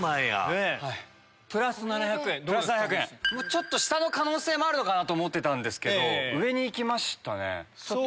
ちょっと下の可能性もあるのかなと思ったんですけど上に行きましたね。